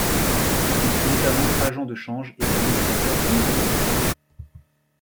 Il fut notamment agent de change et administrateur de nombreuses sociétés.